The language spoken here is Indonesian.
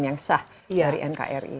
yang sah dari nkri